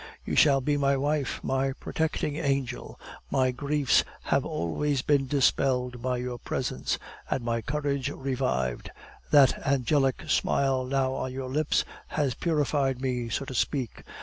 "You shall be my wife, my protecting angel. My griefs have always been dispelled by your presence, and my courage revived; that angelic smile now on your lips has purified me, so to speak.